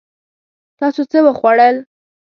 تاسو څه وخوړل؟